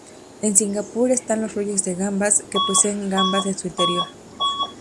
En Singapur están los rollos de gambas que poseen gambas en su interior.